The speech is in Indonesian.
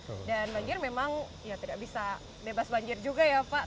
dan banjir memang tidak bisa bebas banjir juga ya pak